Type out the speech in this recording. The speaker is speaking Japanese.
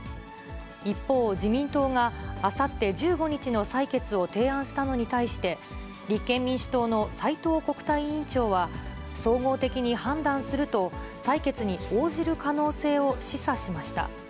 一方、自民党があさって１５日の採決を提案したのに対して、立憲民主党の斎藤国対委員長は、総合的に判断すると、採決に応じる可能性を示唆しました。